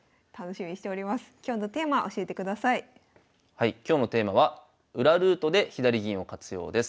はい今日のテーマは「裏ルートで左銀を活用」です。